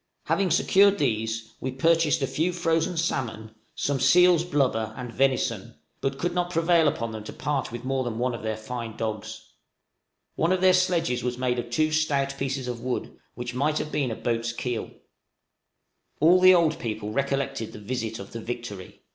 Having secured these, we purchased a few frozen salmon, some seals' blubber and venison, but could not prevail upon them to part with more than one of their fine dogs. One of their sledges was made of two stout pieces of wood, which might have been a boat's keel. {INTELLIGENCE OF FRANKLIN'S SHIPS.} All the old people recollected the visit of the 'Victory.'